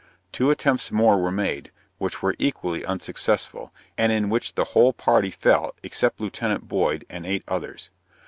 Two attempts more were made, which were equally unsuccessful, and in which the whole party fell, except Lieut. Boyd, and eight others.